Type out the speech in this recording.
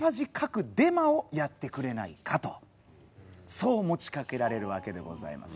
そう持ちかけられるわけでございますね。